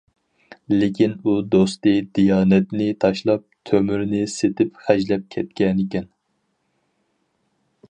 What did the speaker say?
لېكىن ئۇ دوستى دىيانەتنى تاشلاپ، تۆمۈرنى سېتىپ خەجلەپ كەتكەنىكەن.